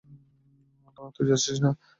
না, তুই যাচ্ছিস না।